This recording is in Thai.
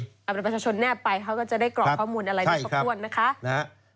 เอาเป็นประชาชนแนบไปเขาก็จะได้กรอกข้อมูลอะไรไม่ครบถ้วนนะคะ